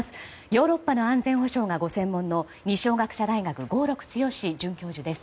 ヨーロッパの安全保障がご専門の二松学舎大学合六強准教授です。